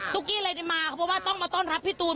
กี้เลยได้มาเพราะว่าต้องมาต้อนรับพี่ตูน